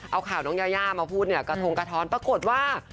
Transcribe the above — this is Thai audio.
เอาข่าวน้องยาย้ามาพูดกระท้งกะท้อนปรากฎว่า